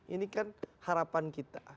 ini kan harapan kita